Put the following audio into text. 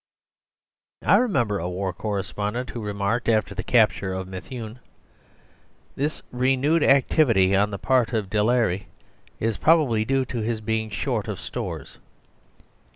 I remember a war correspondent who remarked after the capture of Methuen: "This renewed activity on the part of Delarey is probably due to his being short of stores."